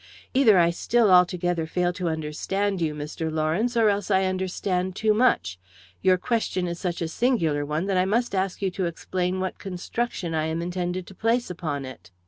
"Either I still altogether fail to understand you, Mr. Lawrence, or else I understand too much. Your question is such a singular one that I must ask you to explain what construction I am intended to place upon it."